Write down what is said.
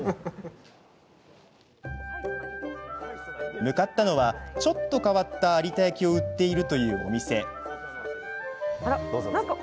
向かったのは、ちょっと変わった有田焼を売っているというお店。